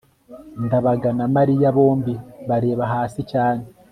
ndabaga na mariya bombi bareba hasi cyane